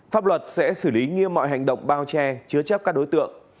pháp luật sẽ xử lý nghiêm mọi hành động bao che chứa chấp các đối tượng